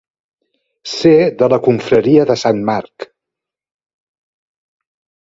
Ser de la confraria de sant Marc.